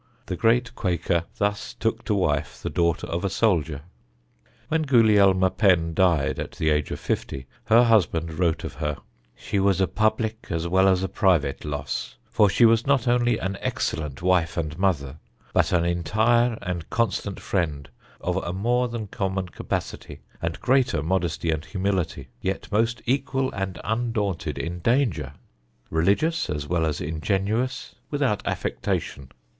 The great Quaker thus took to wife the daughter of a soldier. When Gulielma Penn died, at the age of fifty, her husband wrote of her: "She was a Publick, as well as Private Loss; for she was not only an excellent Wife and Mother, but an Entire and Constant Friend, of a more than common Capacity, and greater Modesty and Humility; yet most equal and undaunted in Danger. Religious as well as Ingenuous, without Affectation.